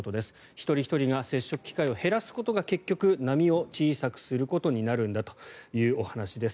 一人ひとりが接触機会を減らすことが結局、波を小さくすることになるんだというお話です。